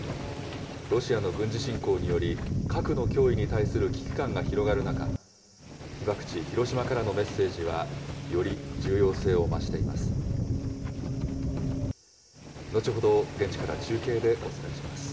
ロシアの軍事侵攻により、核の脅威に対する危機感が広がる中、被爆地、広島からのメッセージは、より重要性を増しています。